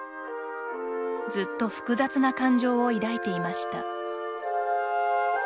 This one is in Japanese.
ずっと複雑な感情を抱いていました。